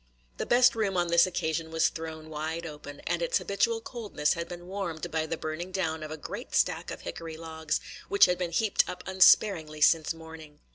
The best room on this occasion was thrown wide open, and its habitual coldness had been warmed by the burning down of a great stack of hickory logs, which had been heaped up unsparingly since morning.